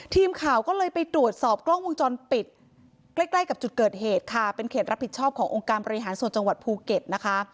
ทีมข่าวก็เลยไปตรวจสอบกล้องวงจรปิดใกล้ใกล้กับจุดเกิดเหตุค่ะเป็นเขตรับผิดชอบขององค์การบริหารส่วนจังหวัดภูเก็ตนะคะ